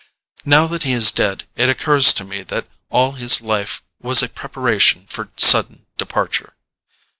Now that he is dead it occurs to me that all his life was a preparation for sudden departure.